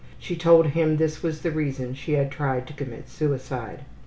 She told him this was the reason she had tried to commit suicide.